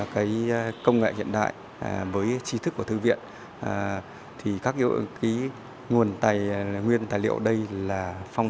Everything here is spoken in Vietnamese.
cái công nghệ hiện đại với trí thức của thư viện thì các cái nguồn tài nguyên tài liệu đây là phong